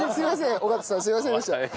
尾形さんすみませんでした。